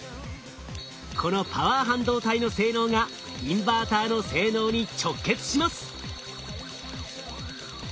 このパワー半導体の性能がインバーターの性能に直結します。